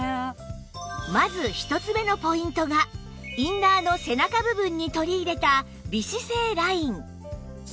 まず１つ目のポイントがインナーの背中部分に取り入れた美姿勢ライン